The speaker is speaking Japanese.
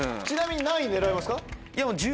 ちなみに何位狙いますか？